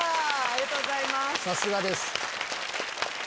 さすがです。